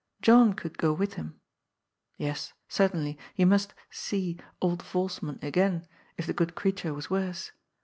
John could go with him. Yes, cer tainly, he must " see " old Volsman again, if the good creat ure was worse.